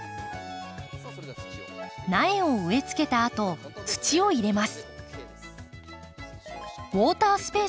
苗を植え付けたあと土を入れます。